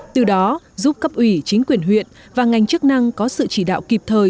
từ đó giúp cấp ủy chính quyền huyện và ngành chức năng có sự chỉ đạo kịp thời